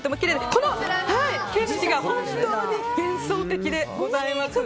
この景色が本当に幻想的です。